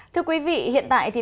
thưa quý vị hiện tại thì